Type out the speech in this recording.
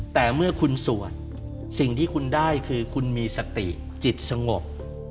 แต่เมื่อคุณสวดสิ่งที่คุณได้คือคุณมีสติจิตสงบ